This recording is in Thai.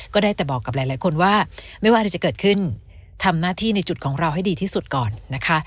ก็ได้แต่บอกกับหลายคนว่าไม่ว่าอะไรจะเกิดขึ้นทำหน้าที่ในจุดของเราให้ดีที่สุดก่อนนะคะ